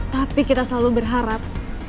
tapi kita selalu berharap